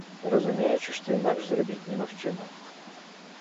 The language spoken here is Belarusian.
Разумеючы, што інакш зрабіць немагчыма.